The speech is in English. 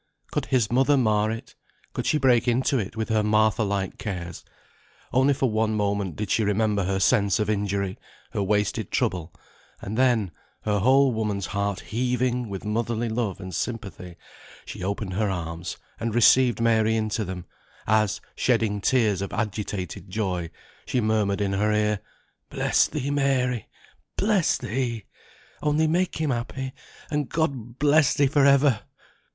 Could his mother mar it? Could she break into it with her Martha like cares? Only for one moment did she remember her sense of injury, her wasted trouble, and then, her whole woman's heart heaving with motherly love and sympathy, she opened her arms, and received Mary into them, as, shedding tears of agitated joy, she murmured in her ear, "Bless thee, Mary, bless thee! Only make him happy, and God bless thee for ever!"